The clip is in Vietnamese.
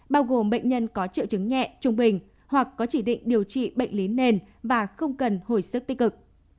bao gồm bệnh nhân có triệu chứng nhẹ trung bình hoặc có chỉ định điều trị bệnh lý nền và không cần hồi sức tích cực